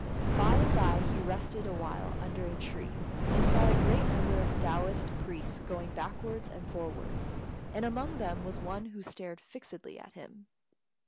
By and by he rested awhile under a tree, and saw a great number of Taoist priests going backwards and forwards, and among them was one who stared fixedly at him.